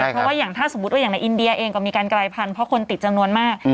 เพราะว่าอย่างถ้าสมมุติว่าอย่างในอินเดียเองก็มีการกลายพันธุ์เพราะคนติดจำนวนมาก